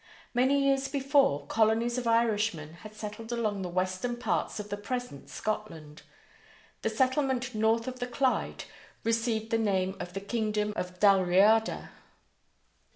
Many years before, colonies of Irishmen had settled along the western parts of the present Scotland. The settlement north of the Clyde received the name of the Kingdom of Dalriada.